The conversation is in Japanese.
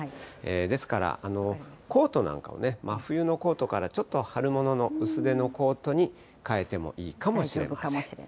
ですから、コートなんかをね、真冬のコートから、ちょっと春物の薄手のコートに変えてもいいかもしれません。